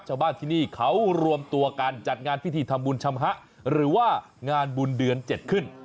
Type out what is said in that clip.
ชาวบ้านที่นี่เขารวมตัวกันจัดงานพิธีทำบุญชำฮะหรือว่างานบุญเดือน๗ขึ้น